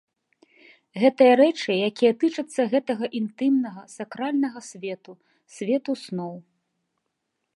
Гэта рэчы, якія тычацца гэтага інтымнага, сакральнага свету, свету сноў.